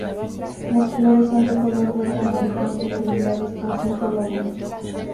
Las flores son de color verde amarillento y tubulares con cinco lóbulos.